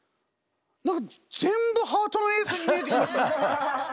何か全部ハートのエースに見えてきました。